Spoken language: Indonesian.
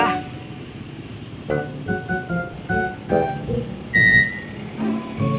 saya nunggu disini aja